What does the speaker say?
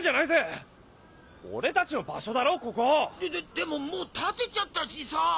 でももう建てちゃったしさ。